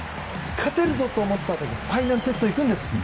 勝てるぞと思ったあとにファイナルセットに行くんです。